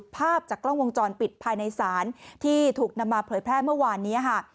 ภาพจากกล้องวงจรปิดภายในศาลที่ถูกนำมาเผยแพร่เมื่อวานนี้ค่ะ